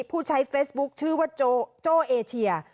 ผู้ใช้เฟซบุ๊คชื่อว่าโจ้เอเชีย